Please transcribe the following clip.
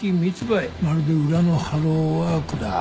まるで裏のハローワークだ。